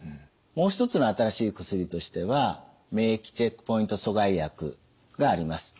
もう一つの新しい薬としては免疫チェックポイント阻害薬があります。